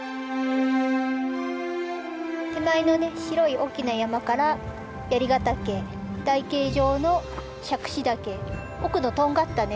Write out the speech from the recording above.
手前のね白い大きな山からヶ岳台形状の杓子岳奥のとんがったね